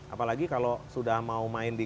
apalagi kalau sudah mau main di